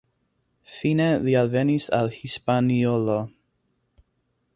Fine li alvenis al Hispaniolo.